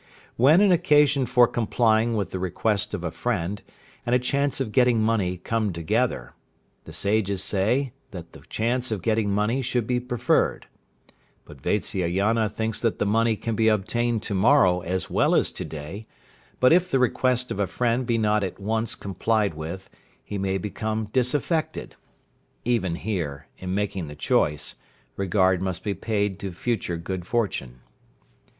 When an occasion for complying with the request of a friend, and a chance of getting money come together, the Sages say that the chance of getting money should be preferred. But Vatsyayana thinks that the money can be obtained to morrow as well as to day, but if the request of a friend be not at once complied with, he may become disaffected. Even here, in making the choice, regard must be paid to future good fortune.